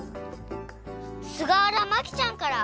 すがわらまきちゃんから。